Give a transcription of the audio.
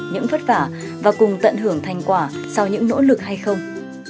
những vất vả và cùng tận hưởng thành quả sau những nỗ lực hay không